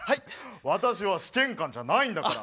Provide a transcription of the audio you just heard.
私は試験官じゃないんだから。